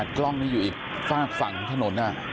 มีขณะกล้องนี้อยู่อีกฝากฝั่งถนนน่ะ